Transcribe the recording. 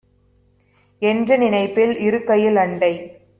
என்ற நினைப்பில் இருக்கையில், அண்டை